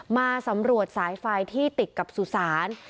มาสำรวจสายไฟที่ติดกับสุสาน